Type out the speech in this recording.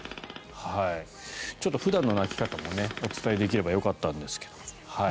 ちょっと普段の鳴き方もお伝えできればよかったんですけど。